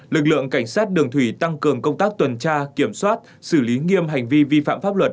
lực lượng cảnh sát đường thủy tăng cường công tác tuần tra kiểm soát xử lý nghiêm hành vi vi phạm pháp luật